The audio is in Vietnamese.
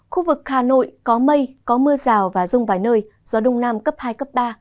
khu vực hà nội có mây có mưa rào và rông vài nơi gió đông nam cấp hai cấp ba